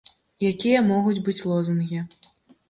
Якія могуць быць лозунгі?